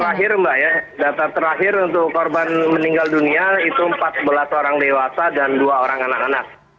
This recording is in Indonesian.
terakhir mbak ya data terakhir untuk korban meninggal dunia itu empat belas orang dewasa dan dua orang anak anak